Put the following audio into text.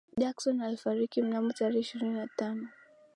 Jackson alikufariki mnamo tarehe ishirini na tano